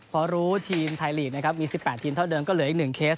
พอรู้ทีมไทยลีกนะครับมี๑๘ทีมเท่าเดิมก็เหลืออีก๑เคส